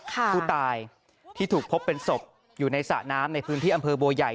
ผู้ตายที่ถูกพบเป็นศพอยู่ในสระน้ำในพื้นที่อำเภอบัวใหญ่